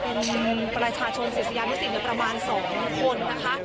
เป็นประชาชนศิษยานุสิตประมาณ๒คนนะคะ